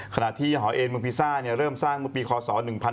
ขณะที่หอเอ็นเมืองพีซ่าเริ่มสร้างมุมปีคศ๑๑๗๓